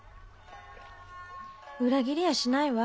裏切りやしないわ。